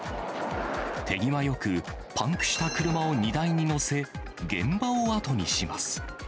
手際よくパンクした車を荷台に載せ、現場をあとにします。